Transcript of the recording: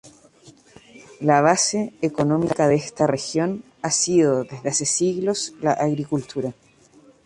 La base económica de esta región ha sido desde hace siglos la agricultura.